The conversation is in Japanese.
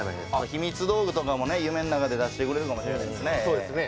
ひみつ道具とかもね夢の中で出してくれるかもしれないですね。